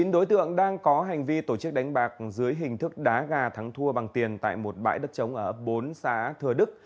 một mươi chín đối tượng đang có hành vi tổ chức đánh bạc dưới hình thức đá gà thắng thua bằng tiền tại một bãi đất chống ở bốn xã thừa đức